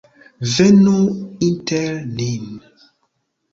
Venu inter nin!